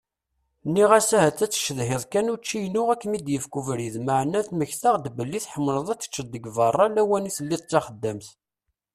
Nniɣ-as ahat ad tcedhiḍ kan učči-ynu akem-d-yefk ubrid maɛna mmektaɣ-d belli tḥemleḍ ad teččeḍ deg berra lawan i telliḍ d taxeddamt.